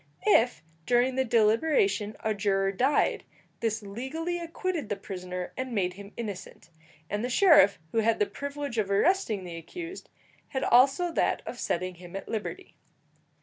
If during the deliberation a juror died, this legally acquitted the prisoner and made him innocent, and the sheriff, who had the privilege of arresting the accused, had also that of setting him at liberty.